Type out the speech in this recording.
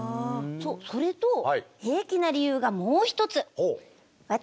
それと平気な理由がもう一つ。